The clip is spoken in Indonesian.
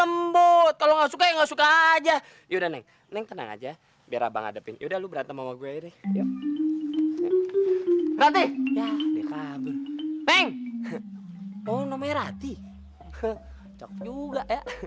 mau mengupin aja